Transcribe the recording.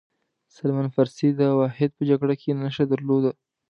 سلمان فارسي داوحد په جګړه کې نښه درلوده.